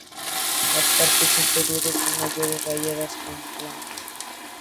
Las partes inferiores son marrones rayadas con blanco.